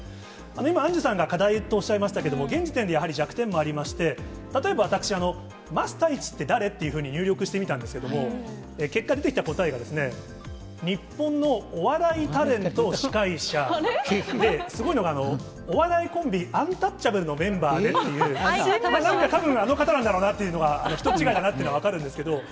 今、アンジュさんが課題とおっしゃいましたけども、現時点でやはり弱点もありまして、例えば私、桝太一って誰？っていうふうに入力してみたんですけれども、結果、出てきた答えがですね、日本のお笑いタレント、司会者です、で、すごいのがお笑いコンビ、アンタッチャブルのメンバーでっていう、たぶんあの方なんだろうなというのは、人違いだなというのが分かるんですけれども。